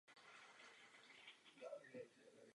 Je to maličkost, ale měli bychom se držet faktů.